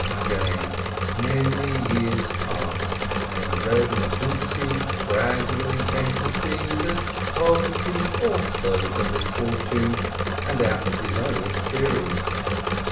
Again many years passed, and Reb Nochumtzi grad ually came to see that poverty also is a misfortune, and out of his own experience.